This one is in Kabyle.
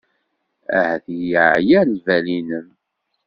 Ahat yeɛya lbal-nnem.